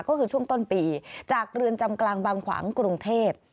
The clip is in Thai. ก็คือช่วงต้นปีจากเรือนจำกลางบางขวางกรุงเทพ